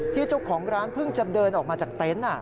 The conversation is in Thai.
เจ้าของร้านเพิ่งจะเดินออกมาจากเต็นต์